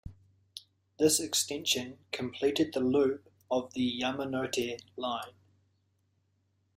This extension completed the loop of the Yamanote Line.